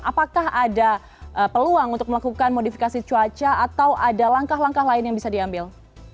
apakah ada peluang untuk melakukan modifikasi cuaca atau ada langkah langkah lain yang bisa diambil